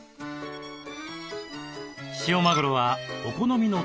塩マグロはお好みの切り方で。